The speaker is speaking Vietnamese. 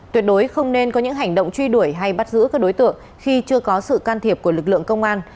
tuyệt đối không nên có những hành động truy đuổi hay bắt giữ các đối tượng khi chưa có sự can thiệp của lực lượng công an